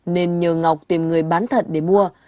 nên nhờ ngọc tìm người bán thận để mua